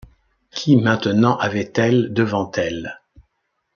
Qui maintenant avait-elle devant elle ?